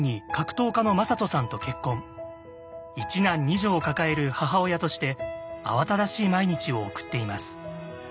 １男２女を抱える母親として慌ただしい毎日を送っています。